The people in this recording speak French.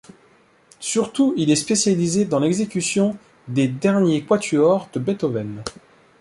Surtout, il est spécialisé dans l'exécution des derniers quatuors de Beethoven.